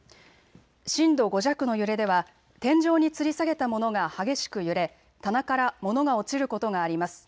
震度５弱の揺れでは天井につり下げたものが激しく揺れ棚から物が落ちることがあります。